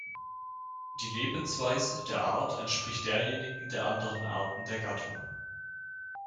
Die Lebensweise der Art entspricht derjenigen der anderen Arten der Gattung.